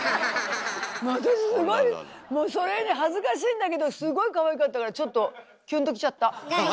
もう私すごいもうそれに恥ずかしいんだけどすごいかわいかったからちょっとキュンときちゃった。